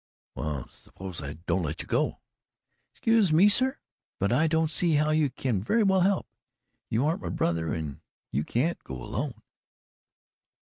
"Well, suppose I don't let you go." "Excuse me, sir, but I don't see how you can very well help. You aren't my brother and you can't go alone."